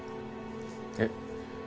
えっ？